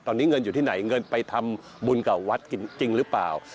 ตอนนี้เงินอยู่ที่ไหนเงินไปทำบุญกับวัดกินจริงหรือเปล่า